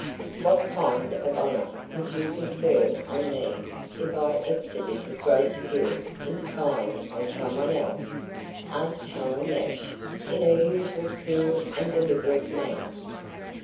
"What kind of honor would you confer on me if I exhibited great skill in spying on someone else?" asked Helen Nash in her usual cool and deliberate manner.